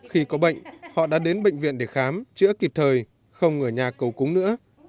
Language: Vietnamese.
khi có bệnh họ đã đến bệnh viện để khám chữa kịp thời không ở nhà cầu cúng nữa